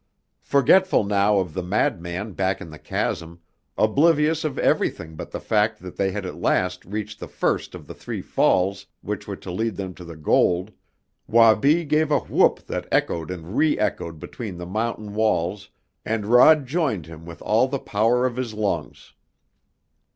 Forgetful now of the madman back in the chasm, oblivious of everything but the fact that they had at last reached the first of the three falls which were to lead them to the gold, Wabi gave a whoop that echoed and reëchoed between the mountain walls, and Rod joined him with all the power of his lungs.